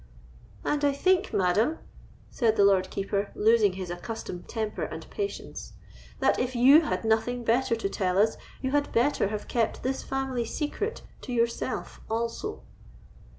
"And I think, madam," said the Lord Keeper, losing his accustomed temper and patience, "that if you had nothing better to tell us, you had better have kept this family secret to yourself also."